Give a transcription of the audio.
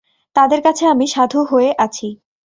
তাদের কাছে আমি সাধু হয়ে গেছি।